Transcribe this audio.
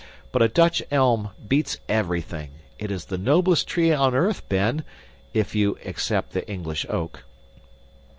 But a Dutch elm beats everything; it is the noblest tree on earth, Ben if you except the English oak."